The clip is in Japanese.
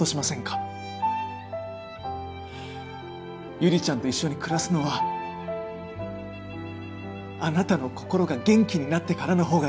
悠里ちゃんと一緒に暮らすのはあなたの心が元気になってからのほうがいい。